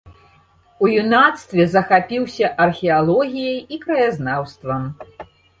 У юнацтве захапіўся археалогіяй і краязнаўствам.